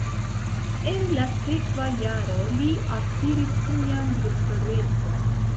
En la sekva jaro li akiris sian doktorecon.